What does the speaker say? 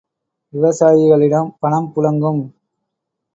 விவசாயிகளிடம் பணம் புழங்கும்.